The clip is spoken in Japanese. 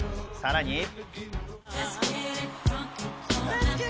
さらに。